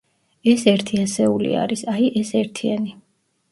ეს ერთი ასეული არის, აი, ეს ერთიანი.